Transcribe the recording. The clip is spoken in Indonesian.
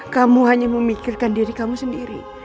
kamu hanya memikirkan diri kamu sendiri